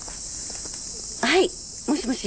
はいもしもし。